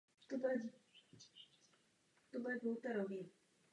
V posledních letech života se kvůli zdravotním problémům stáhl do ústraní.